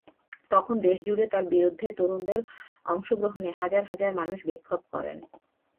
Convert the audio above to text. তখন দেশজুড়ে তাঁর বিরুদ্ধে তরুণদের অংশগ্রহণে হাজার হাজার মানুষ বিক্ষোভ করেন।